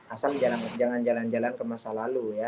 asal jangan jalan jalan ke masa lalu ya